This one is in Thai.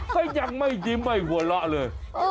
ใครยังไม่ยิ้มให้หัวละเลย